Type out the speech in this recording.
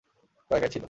ও একাই ছিল।